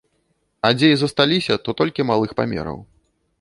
А дзе і засталіся, то толькі малых памераў.